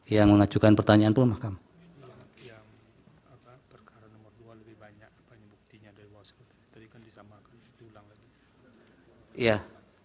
yang mengajukan pertanyaan pun mahkamah